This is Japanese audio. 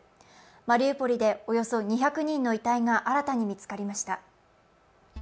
マリウポリでおよそ２００人の遺体が新たに見つかりました。